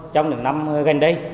trong những năm gần đây